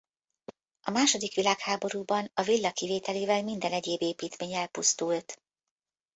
A második világháborúban a villa kivételével minden egyéb építmény elpusztult.